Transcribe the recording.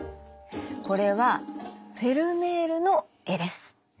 これはフェルメールの絵です。